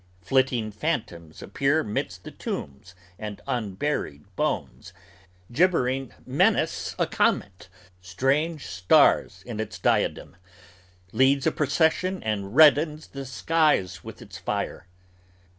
Flitting phantoms Appear midst the tombs and unburied bones, gibbering menace A comet, strange stars in its diadem, leads a procession And reddens the skies with its fire.